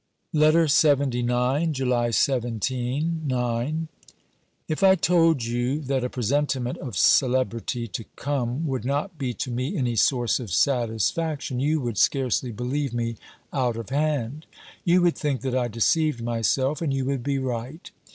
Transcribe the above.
LETTER LXXIX Tuly 17 (IX). If I told you that a presentiment of celebrity to come would not be to me any source of satisfaction, you would scarcely believe me out of hand. You would think that I deceived myself, and you would be right.